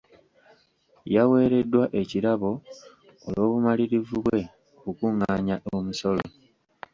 Yaweereddwa ekirabo olw'obumalirivu bwe mu kukungaanya omusolo.